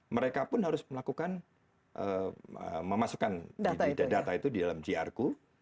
mereka pun harus melakukan memasukkan data itu di dalam grku